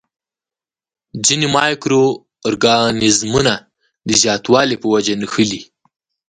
ځینې مایکرو ارګانیزمونه د زیاتوالي په وجه نښلي.